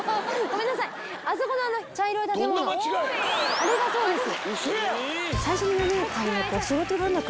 あれがそうです。